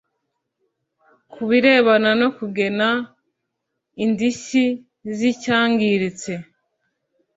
Ku birebana no kugena indishyi z’icyangiritse